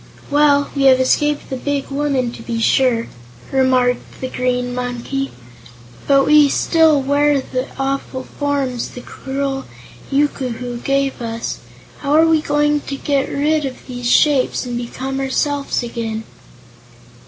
"Well, we have escaped the big woman, to be sure," remarked the Green Monkey, "but we still wear the awful forms the cruel yookoohoo gave us. How are we going to get rid of these shapes, and become ourselves again?"